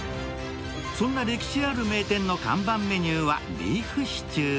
そんな歴史ある名店の看板メニューはビーフシチュー。